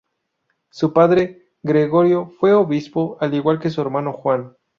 Su padre, Gregorio, fue obispo, al igual que su hermano Juan.